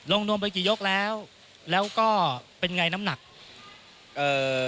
นวมไปกี่ยกแล้วแล้วก็เป็นไงน้ำหนักเอ่อ